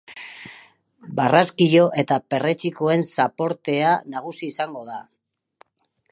Barraskilo eta perretxikoen zaportea nagusi izango da.